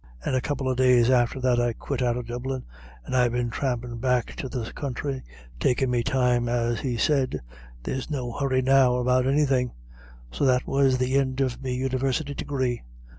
And a couple of days after that I quit out of Dublin, and I've been trampin' back to this counthry, takin' me time, as he said there's no hurry now about anythin'. So that was the ind of me University Degree."